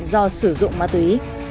do sử dụng ma túy